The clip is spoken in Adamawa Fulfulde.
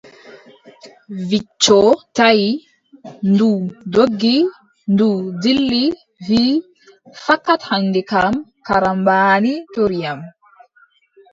Wicco taʼi, ndu doggi, ndu dilli, wii : fakat hannde kam, karambaani torri am.